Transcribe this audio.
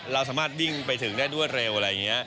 เราสามารถวิ่งไปถึงได้รวดเร็วอะไรอย่างนี้